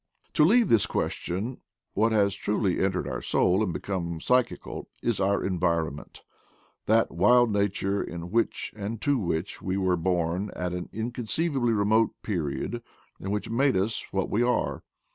To leave this question; what has truly entered our soul and become psychical is our environment — that wild nature in which and to which we were born at an inconceivably remote period, and which made us what we are.